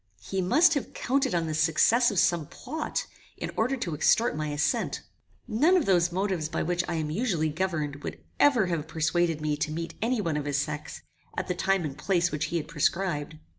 He must have counted on the success of some plot, in order to extort my assent. None of those motives by which I am usually governed would ever have persuaded me to meet any one of his sex, at the time and place which he had prescribed.